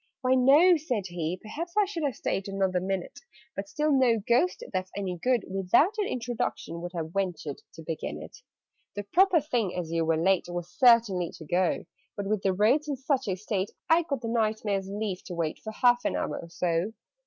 "Why, no," said he; "perhaps I should Have stayed another minute But still no Ghost, that's any good, Without an introduction would Have ventured to begin it. "The proper thing, as you were late, Was certainly to go: But, with the roads in such a state, I got the Knight Mayor's leave to wait For half an hour or so."